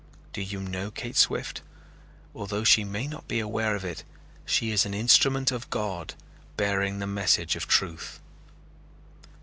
Do you know Kate Swift? Although she may not be aware of it, she is an instrument of God, bearing the message of truth."